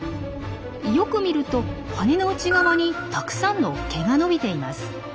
よく見ると羽の内側にたくさんの毛が伸びています。